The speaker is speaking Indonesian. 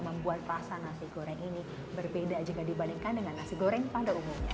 membuat rasa nasi goreng ini berbeda jika dibandingkan dengan nasi goreng pada umumnya